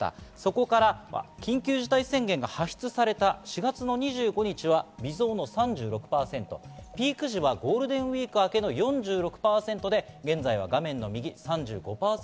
そこから緊急事態宣言が発出された４月２５日は微増の３６％、ピーク時はゴールデンウイーク明けの４６％で、現在は画面の右３５％。